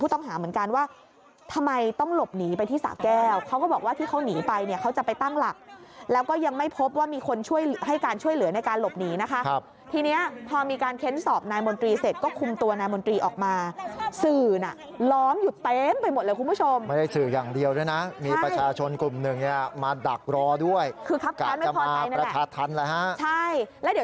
ต้องหาเหมือนกันว่าทำไมต้องหลบหนีไปที่สะแก้วเขาก็บอกว่าที่เขาหนีไปเนี่ยเขาจะไปตั้งหลักแล้วก็ยังไม่พบว่ามีคนช่วยให้การช่วยเหลือในการหลบหนีนะคะครับทีเนี้ยพอมีการเค้นสอบนายมนตรีเสร็จก็คุมตัวนายมนตรีออกมาสื่อน่ะล้อมอยู่เต็มไปหมดเลยคุณผู้ชมไม่ได้สื่ออย่างเดียวด้วยนะมีประชาชนกลุ่มหนึ่งเนี่ยมาดักรอด้วยคือคับการไม่พอใจนั่นแหละฮะใช่แล้วเดี๋ยว